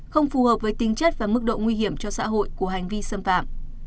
không phù hợp với tinh chất và mức độ nguy hiểm cho xã hội của hành vi xâm phạm